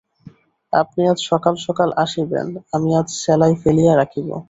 আপনি আজ সকাল-সকাল আসিবেন–আমি আজ সেলাই ফেলিয়া রাখিব।